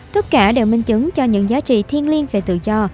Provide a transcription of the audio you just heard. tất cả đều minh chứng cho những giá trị thiên liên về tự do